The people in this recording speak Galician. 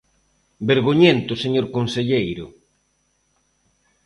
¡Vergoñento, señor conselleiro!